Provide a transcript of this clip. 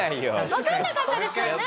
わかんなかったですよね？